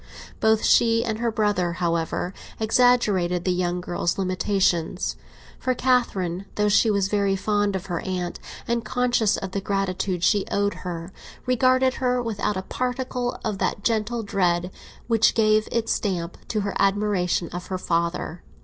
Both she and her brother, however, exaggerated the young girl's limitations; for Catherine, though she was very fond of her aunt, and conscious of the gratitude she owed her, regarded her without a particle of that gentle dread which gave its stamp to her admiration of her father.